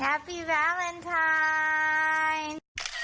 เฮบพี่วาเหลนไทน์